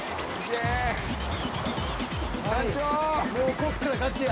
もうこっからガチや。